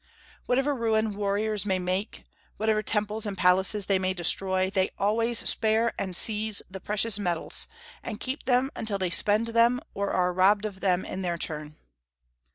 Whatever ruin warriors may make, whatever temples and palaces they may destroy, they always spare and seize the precious metals, and keep them until they spend them, or are robbed of them in their turn.